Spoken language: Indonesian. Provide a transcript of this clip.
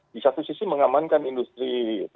di satu sisi mengamankan industri